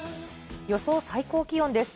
予想最高気温です。